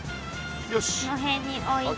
この辺に置いて。